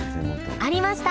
ありました！